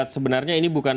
sebenarnya ini bukan